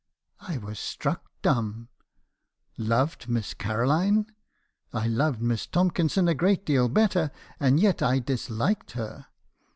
"I was struck dumb. Loved Miss Caroline! I loved Miss Tomkinson a great deal better, and yet I disliked her.